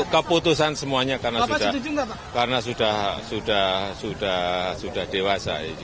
keputusan semuanya karena sudah dewasa